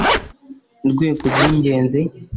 Rwego rw’ Ingenzi